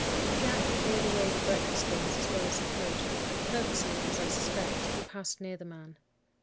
"Jacques cleared away the breakfast things as well as he could. Purposely, as I suspect, he passed near the man.